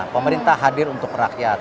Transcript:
pemerintah hadir untuk rakyat